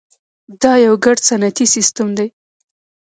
دا یو ګډ صنعتي سیستم دی.